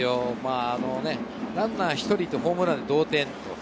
ランナー１人とホームランで同点。